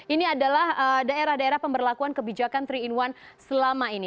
ini adalah daerah daerah pemberlakuan kebijakan tiga in satu selama ini